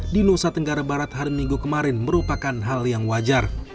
di nusa tenggara barat hari minggu kemarin merupakan hal yang wajar